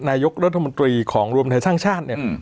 นายกรัฐมนตรีของรวมไทยสร้างชาติเนี่ย